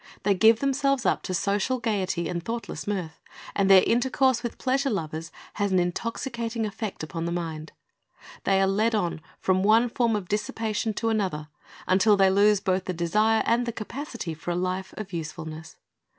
They give themselves up to social gaiety and thoughtless mirth, and their inter course with pleasure lovers has an intoxicating effect upon the mind. They are led on from one form of dissipation to another, until they lose both the desire and the capacity for a life of usefulness.